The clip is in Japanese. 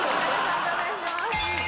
判定お願いします。